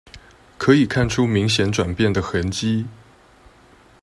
可以看出明顯轉變的痕跡